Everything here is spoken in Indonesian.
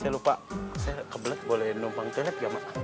saya lupa saya kebelet boleh numpang tinet gak mak